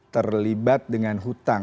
terlibat dengan hutang